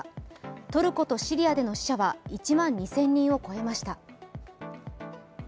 トルコとシリアでの死者は１万２０００人を超えました。